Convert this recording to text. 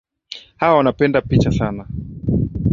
Hawa wanapenda picha sana.